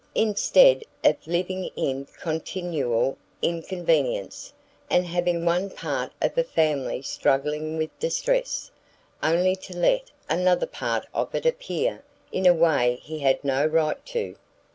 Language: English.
instead of living in continual inconvenience, and having one part of a family struggling with distress, only to let another part of it appear in a way he had no right to!"